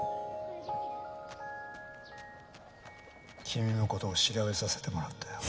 君の事を調べさせてもらったよ。